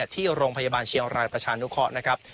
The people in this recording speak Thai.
ที่โรงพยาบาลเชียงรายประชานุเคราะห์นะครับ